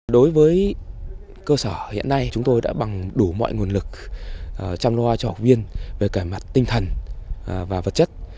đối với cơ sở hiện nay chúng tôi đã bằng đủ mọi nguồn lực chăm lo cho học viên về cả mặt tinh thần và vật chất